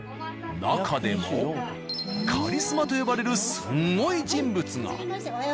なかでもカリスマと呼ばれるスンゴイ人物が。